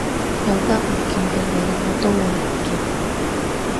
有得唔見嘅嘢我都會唔見